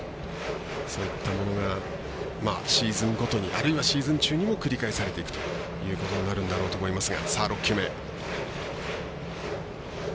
そういったものがシーズンごとにあるいはシーズン中にも繰り返されていくということになるんだと思いますが。